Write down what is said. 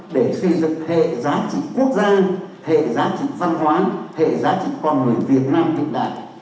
để xây dựng hệ giá trị quốc gia hệ giá trị văn hóa hệ giá trị con người việt nam hiện đại